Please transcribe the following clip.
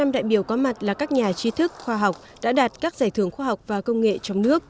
một trăm linh đại biểu có mặt là các nhà trí thức khoa học đã đạt các giải thưởng khoa học và công nghệ trong nước